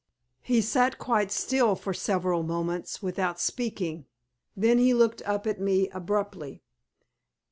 He sat quite still for several moments without speaking. Then he looked up at me abruptly.